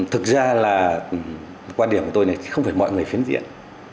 thực ra là quan điểm của tôi này không phải mọi người phiến diện